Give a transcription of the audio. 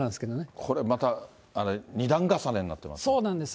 これまた、２段重ねになっていますね。